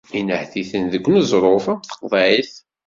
Inhet-iten deg uneẓruf am tqeḍɛit.